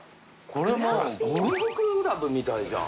これもうゴルフクラブみたいじゃん。